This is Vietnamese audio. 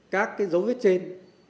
các cái dấu vết trên